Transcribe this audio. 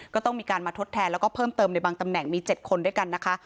ก็ต้องมีการมาทดแทนแล้วก็เพิ่มเติมในบางตำแหน่งมี๗คนด้วยกันนะคะ